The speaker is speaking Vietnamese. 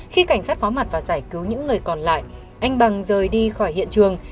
khi cảnh sát có mặt và giải cứu những người còn lại anh bằng rời đi khỏi hiện trường